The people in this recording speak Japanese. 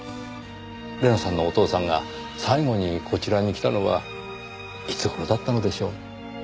玲奈さんのお父さんが最後にこちらに来たのはいつ頃だったのでしょう？